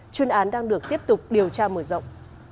chuyên án đang được tiếp tục điều tra mở rộng